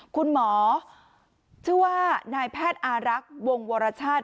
คุณหมอชื่อว่านายแพทย์อารักษ์วงวรชาติ